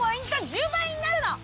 １０倍になるの！